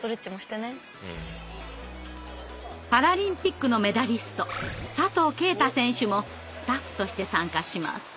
パラリンピックのメダリスト佐藤圭太選手もスタッフとして参加します。